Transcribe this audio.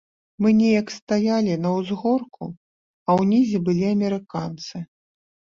Мы неяк стаялі на ўзгорку, а ўнізе былі амерыканцы.